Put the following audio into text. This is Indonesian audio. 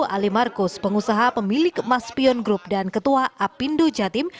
ali marcus pengusaha pemilik maspion group dan ketua apindo jatim